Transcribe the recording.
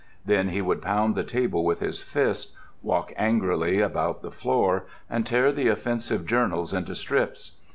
Then he would pound the table with his fist, walk angrily about the floor, and tear the offensive journals into strips.